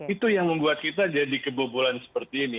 itu yang membuat kita jadi kebobolan seperti ini